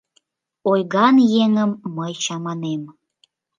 Ойган еҥым мый чаманем: